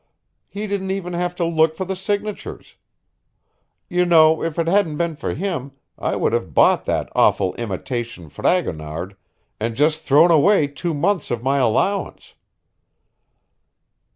He didn't even have to look for the signatures. You know, if it hadn't been for him I would have bought that awful imitation Fragonard and just thrown away two months of my allowance.